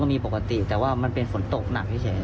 มีปกติแต่ว่ามันเป็นฝนตกหนักเฉย